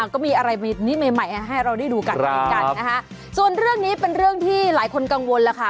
ก็มีอะไรใหม่ให้เราได้ดูกันส่วนเรื่องนี้เป็นเรื่องที่หลายคนกังวลค่ะ